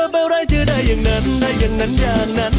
อะไรจะได้อย่างนั้นได้อย่างนั้นอย่างนั้น